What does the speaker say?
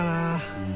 うん。